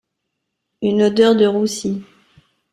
Une odeur de roussi.